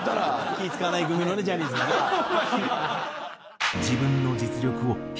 気ぃ使わない組のねジャニーズがね。